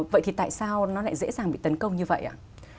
vậy thì tại sao nó lại dễ dàng bị tấn công như vậy ạ